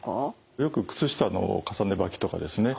よく靴下の重ねばきとかですね